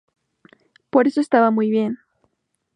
Por eso estaba muy bien".